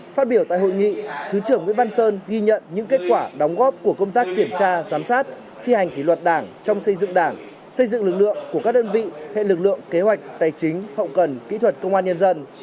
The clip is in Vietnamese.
phát biểu tại hội nghị thứ trưởng nguyễn văn sơn ghi nhận những kết quả đóng góp của công tác kiểm tra giám sát thi hành kỷ luật đảng trong xây dựng đảng xây dựng lực lượng của các đơn vị hệ lực lượng kế hoạch tài chính hậu cần kỹ thuật công an nhân dân